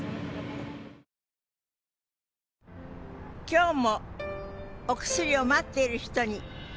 今日もお薬を待っている人に。